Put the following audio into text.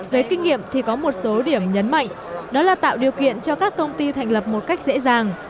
về kinh nghiệm thì có một số điểm nhấn mạnh đó là tạo điều kiện cho các công ty thành lập một cách dễ dàng